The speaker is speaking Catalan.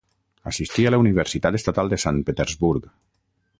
Assistí a la Universitat Estatal de Sant Petersburg.